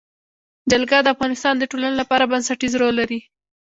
جلګه د افغانستان د ټولنې لپاره بنسټيز رول لري.